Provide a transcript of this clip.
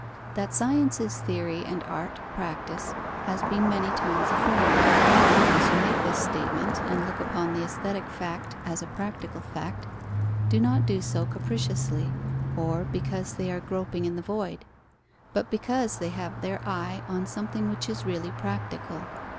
That science is theory and art practice has been many times affirmed. Those who make this statement, and look upon the aesthetic fact as a practical fact, do not do so capriciously or because they are groping in the void; but because they have their eye on something which is really practical.